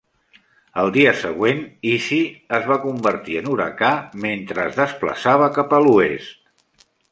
El dia següent, Easy es va convertir en huracà mentre es desplaçava cap a l"oest.